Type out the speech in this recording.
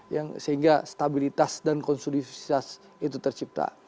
yang sehingga stabilitas dan konsudivisitas itu tercipta